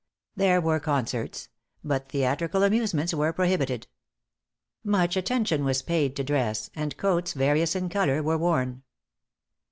There were concerts; but theatrical amusements were prohibited. Much attention was paid to dress; and coats various in color were worn.